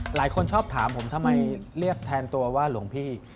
หลายคนชอบถามผมทำไมเรียกแทนตัวว่าหลวงพี่